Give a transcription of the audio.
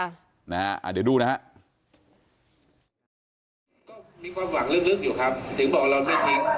ค่ะมีความหวังลึกอยู่ถึงบอกเราไม่รี๊ม